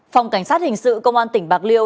phòng cảnh sát hình sự công an tỉnh bạc liêu